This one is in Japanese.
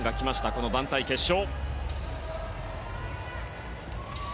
この団体決勝。